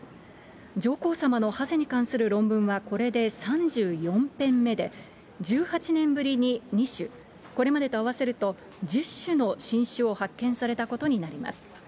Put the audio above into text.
上皇さまのハゼに関する論文はこれで３４編目で、１８年ぶりに、２種、これまでと合わせると１０種の新種を発見されたことになります。